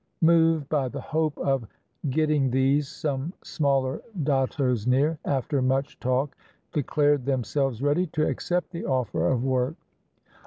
Moved by the hope of getting these, some smaller dattos near, after much talk, declared themselves ready to accept the offer of work.